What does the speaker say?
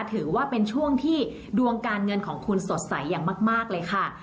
ถือว่าเป็นช่วงที่ดวงการเงินของคุณสดใสอย่างมากเลยค่ะ